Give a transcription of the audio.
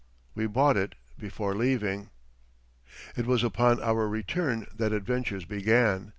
We bought it before leaving. It was upon our return that adventures began.